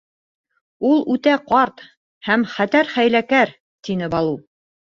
— Ул үтә ҡарт һәм хәтәр хәйләкәр, — тине Балу.